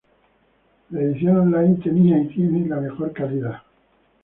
La edición on-line tenía y tiene la mejor calidad.